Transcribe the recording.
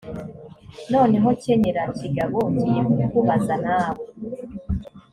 noneho kenyera kigabo ngiye kukubaza nawe